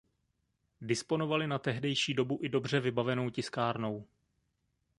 Disponovali na tehdejší dobu i dobře vybavenou tiskárnou.